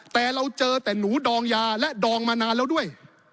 แต่เราเจอแต่หนูดองยาและดองมานานแล้วด้วย